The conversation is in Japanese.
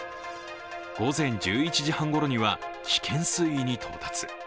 午前１１時半ごろには危険水位に到達。